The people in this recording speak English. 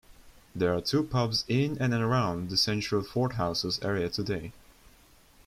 There are two pubs in and around the central Fordhouses area today.